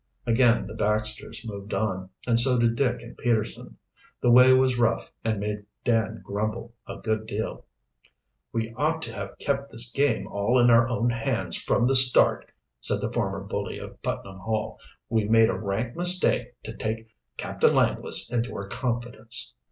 Again the Baxters moved on, and so did Dick and Peterson. The way was rough and made Dan grumble a good deal. "We ought to have kept this game all in our own hands from the start," said the former bully of Putnam Hall. "We made a rank mistake to take Captain Langless into our confidence."